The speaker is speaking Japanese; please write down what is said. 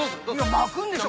巻くんでしょ。